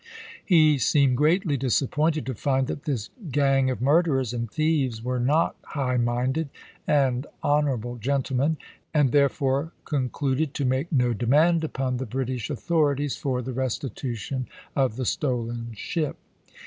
He seemed greatly disappointed to find that this gang of murderers and thieves were not high minded and honorable gentlemen, and there fore concluded to make no demand upon the British authorities for the restitution of the stolen ship.